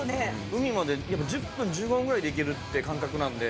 海まで１０分、１５分ぐらいで行けるって感覚なんで。